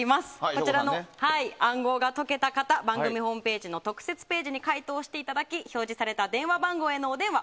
こちらの暗号が解けた方番組ホームページの特設ページに回答していただき表示された電話番号へのお電話